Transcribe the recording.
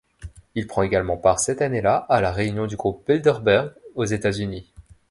Il prend également part cette année-là, à la réunion du groupe Bilderberg aux États-Unis.